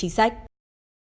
chương trình tài chính ngân hàng